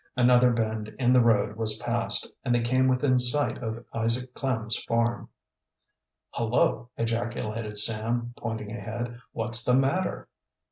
Another bend in the road was passed and they came within sight of Isaac Klem's farm. "Hullo!" ejaculated Sam, pointing ahead. "What's the matter?"